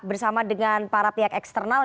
bersama dengan para pihak eksternal